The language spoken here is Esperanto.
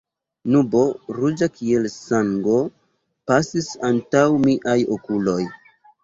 Nubo, ruĝa kiel sango, pasis antaŭ miaj okuloj.